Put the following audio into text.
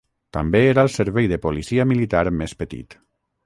També era el servei de policia militar més petit.